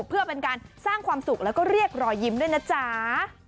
เพื่อเป็นการสร้างความสุขแล้วก็เรียกรอยยิ้มด้วยนะจ๊ะ